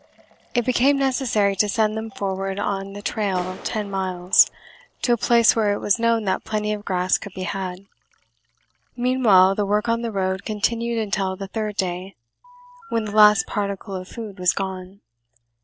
It became necessary to send them forward on the trail ten miles, to a place where it was known that plenty of grass could be had. Meanwhile the work on the road continued until the third day, when the last particle of food was gone.